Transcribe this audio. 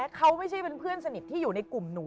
เขาไม่ใช่เป็นเพื่อนสนิทที่อยู่ในกลุ่มหนู